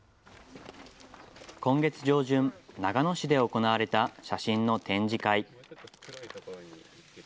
今月上旬、長野市で行われた写真の展示会。